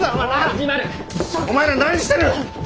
お前ら何してる！